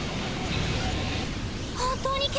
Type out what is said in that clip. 本当に煙！